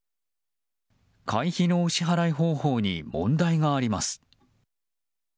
会費のお支払い方法に問題があります。